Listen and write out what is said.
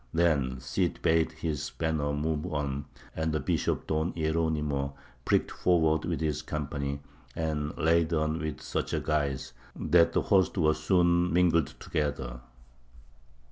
Then the Cid bade his banner move on, and the Bishop Don Hieronymo pricked forward with his company, and laid on with such guise, that the hosts were soon mingled together.